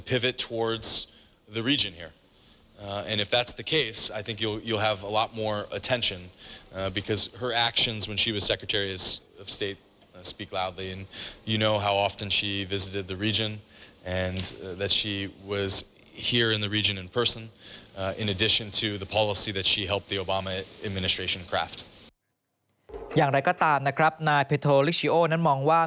อย่างไรก็ตามนะครับนายเพโทลิชิโอนั้นมองว่า